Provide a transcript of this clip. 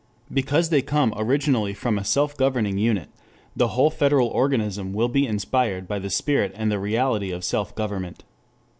Because they come originally from a self governing unit, the whole federal organism will be inspired by the spirit and the reality of self government.